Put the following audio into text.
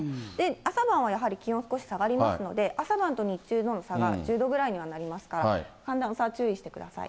朝晩はやはり気温少し下がりますので、朝晩と日中の差が１０度ぐらいにはなりますから、寒暖の差、注意してください。